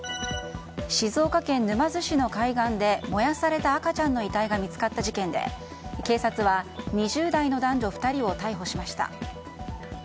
静岡県沼津市の海岸で燃やされた赤ちゃんの遺体が見つかった事件で警察は、２０代の男女２人を逮捕しました。